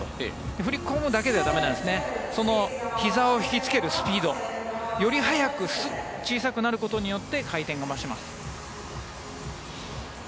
振り込むだけでは駄目でひざを引きつけるスピードより速く小さくなることによって回転が増します。